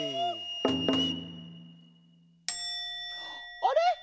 あれ？